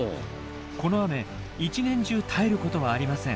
この雨一年中絶えることはありません。